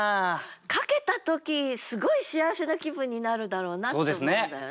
書けた時すごい幸せな気分になるだろうなって思うんだよね。